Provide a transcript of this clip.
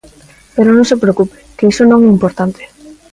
Pero non se preocupe, que iso non é o importante.